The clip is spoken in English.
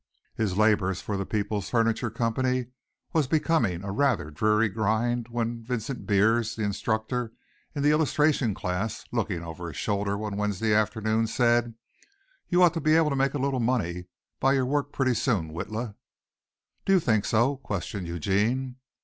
His labor for the Peoples' Furniture Company was becoming a rather dreary grind when Vincent Beers, the instructor in the illustration class, looking over his shoulder one Wednesday afternoon said: "You ought to be able to make a little money by your work pretty soon, Witla." "Do you think so?" questioned Eugene.